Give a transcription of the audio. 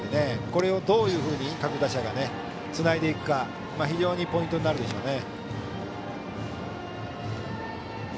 これをどういうふうに各打者がつないでいくかが非常にポイントになるでしょうね。